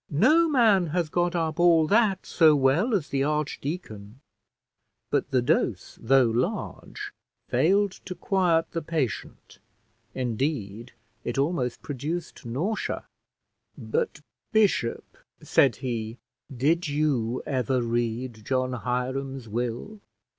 "No man has got up all that so well as the archdeacon;" but the dose, though large, failed to quiet the patient; indeed it almost produced nausea. "But, bishop," said he, "did you ever read John Hiram's will?"